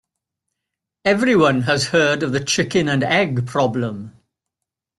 Everyone has heard of the chicken and egg problem.